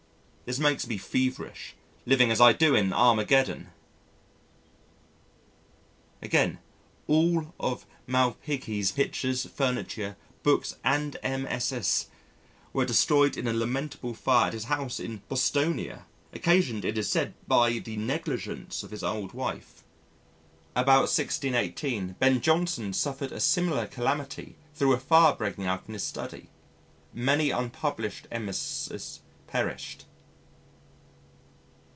This makes me feverish, living as I do in Armageddon! Again, all Malpighi's pictures, furniture, books and MSS. were destroyed in a lamentable fire at his house in Bononia, occasioned it is said by the negligence of his old wife. About 1618, Ben Jonson suffered a similar calamity thro' a fire breaking out in his study. Many unpublished MSS. perished.